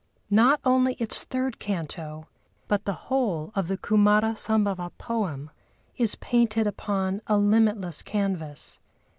Not only its third canto but the whole of the Kumâra Sambhava poem is painted upon a limitless canvas.